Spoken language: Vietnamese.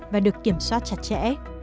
và được kiểm soát chặt chẽ